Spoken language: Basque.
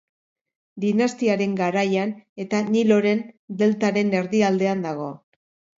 Dinastiaren garaian, eta Niloren deltaren erdialdean dago.